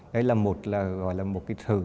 đấy là một cái sự